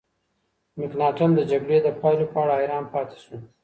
مکناتن د جګړې د پایلو په اړه حیران پاتې شو.